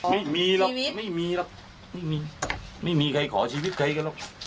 ไม่มีหรอกไม่มีไม่มีใครขอชีวิตใครกันหรอก